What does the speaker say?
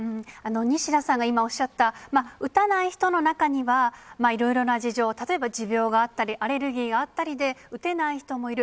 西田さんが今、おっしゃった、打たない人の中には、いろいろな事情、例えば持病があったり、アレルギーがあったりで、打てない人もいる。